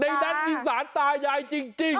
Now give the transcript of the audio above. ในนั้นมีสารตายายจริง